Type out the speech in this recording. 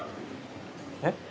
えっ？